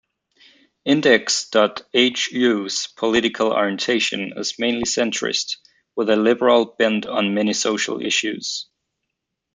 Index.hu's political orientation is mainly centrist, with a liberal bent on many social issues.